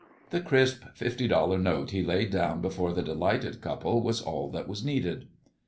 The crisp fifty dollar note he laid down before the delighted couple was all that was needed.